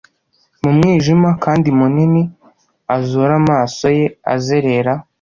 mumwijima kandi munini azure amaso ye azerera